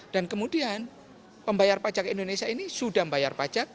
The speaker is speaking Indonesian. dan kemudian pembayar pajak indonesia ini sudah membayar pajak